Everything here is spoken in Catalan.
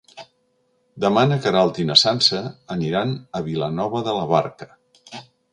Demà na Queralt i na Sança aniran a Vilanova de la Barca.